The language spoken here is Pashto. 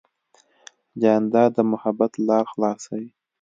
جانداد د محبت لارې خلاصوي.